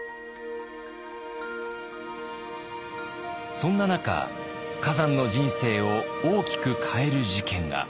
そんな中崋山の人生を大きく変える事件が。